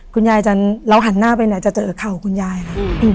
คุณยายเราหันหน้าไปเนี่ยจะเจอเข่าคุณยายค่ะ